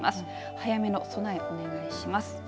早めの備えお願いします。